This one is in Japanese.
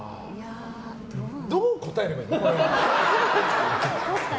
どう答えればいいの？